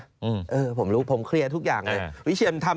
แล้วก็มีแผนที่เขตรักษาพันธุ์สัตว์ป่า